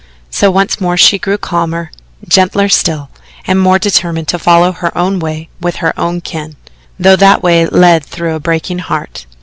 So once more she grew calmer, gentler still, and more determined to follow her own way with her own kin, though that way led through a breaking heart.